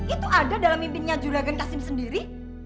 itu ada dalam mimpinya jurnagen kasim sendiri